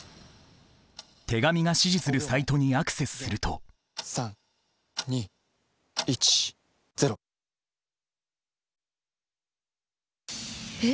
手紙が指示するサイトにアクセスすると３２１０。え。